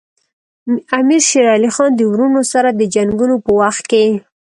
امیر شېر علي خان د وروڼو سره د جنګونو په وخت کې.